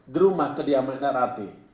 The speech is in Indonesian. gerumah kediaman rat